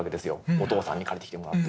お父さんに借りてきてもらって。